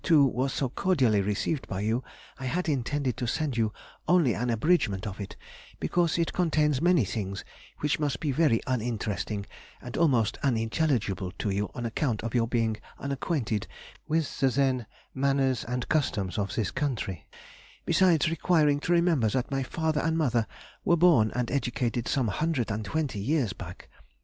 2 was so cordially received by you, I had intended to send you only an abridgment of it, because it contains many things which must be very uninteresting and almost unintelligible to you on account of your being unacquainted with the (then) manners and customs of this country, besides requiring to remember that my father and mother were born and educated some hundred and twenty years back.